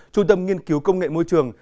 trung tâm nghiên cứu công nghệ môi trường